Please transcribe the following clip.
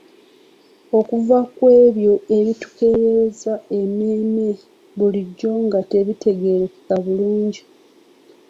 Okuva mw'ebyo ebitukeeyereza emmeeme bulijjo nga tetubitegeera bulungi.